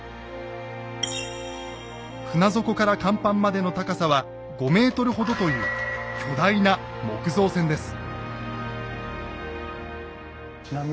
船底から甲板までの高さは５ｍほどという巨大な木造船です。